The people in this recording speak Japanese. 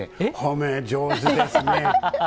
褒め上手ですね。